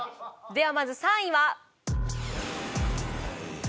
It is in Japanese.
ではまず３位は。